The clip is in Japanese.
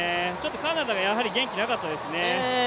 カナダがやはり元気なかったですね。